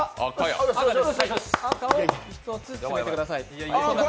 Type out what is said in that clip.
赤を１つ進めてください。